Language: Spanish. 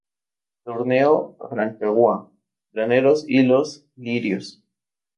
Torneo Rancagua, Graneros y Los Lirios.